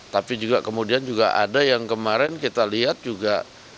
tapi juga kemudian juga ada yang kemarin kita lihat juga